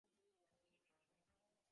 আমার রিফিল করতে হবে।